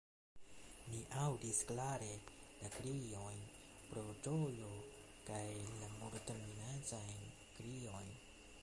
Ni aŭdis klare la kriojn pro ĝojo kaj la mortminacajn kriojn.